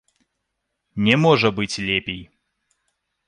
Не можа быць лепей!